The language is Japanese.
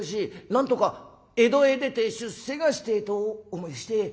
なんとか江戸へ出て出世がしてえと思いやして。